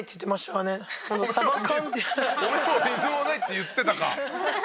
「米も水もない」って言ってたか。